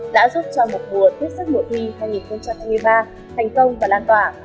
đã giúp cho một buổi thiết sức mùa thi hai nghìn hai mươi ba thành công và lan tỏa